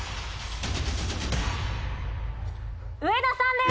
上田さんです！